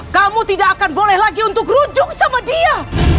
kamu tidak akan boleh lagi untuk rujuk sama dia